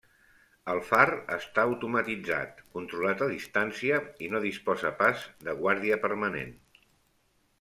El far està automatitzat, controlat a distància, i no disposa pas de guàrdia permanent.